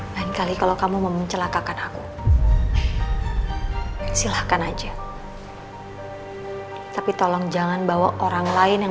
lain kali kalau kamu mau mencelakakan aku silahkan aja tapi tolong jangan bawa orang lain yang